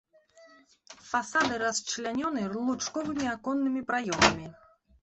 Фасады расчлянёны лучковымі аконнымі праёмамі.